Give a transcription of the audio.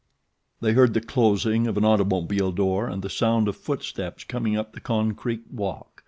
They heard the closing of an automobile door and the sound of foot steps coming up the concrete walk.